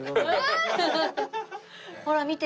ほら見て。